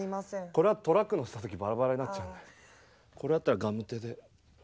これはトラック載せた時バラバラになっちゃうのでこれだったらガムテで。